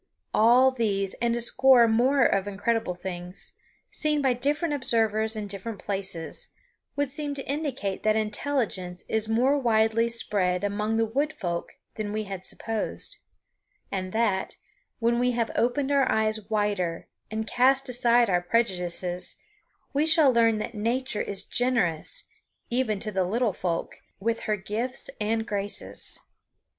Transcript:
All these and a score more of incredible things, seen by different observers in different places, would seem to indicate that intelligence is more widely spread among the Wood Folk than we had supposed; and that, when we have opened our eyes wider and cast aside our prejudices, we shall learn that Nature is generous, even to the little folk, with her gifts and graces.